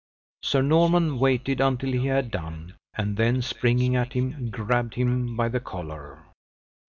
Sir Norman waited until he had done, and then springing at him, grabbed him by the collar.